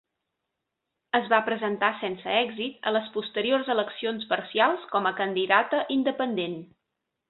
Es va presentar sense èxit a les posteriors eleccions parcials com a candidata independent.